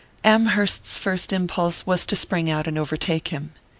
Amherst's first impulse was to spring out and overtake him.